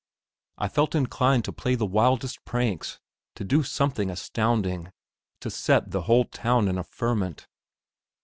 I felt inclined to play the wildest pranks, to do something astounding, to set the whole town in a ferment.